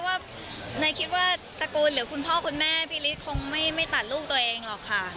ว่านายคิดว่าตระกูลหรือคุณพ่อคุณแม่พี่ฤทธิคงไม่ตัดลูกตัวเองหรอกค่ะ